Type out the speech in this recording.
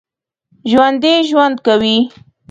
ژوندي ژوند کوي